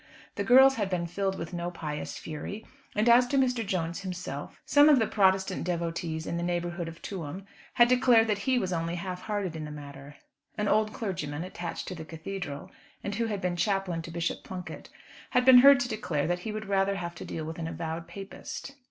The girls had been filled with no pious fury; and as to Mr. Jones himself, some of the Protestant devotees in the neighbourhood of Tuam had declared that he was only half hearted in the matter. An old clergyman, attached to the cathedral, and who had been chaplain to Bishop Plunket, had been heard to declare that he would rather have to deal with an avowed Papist.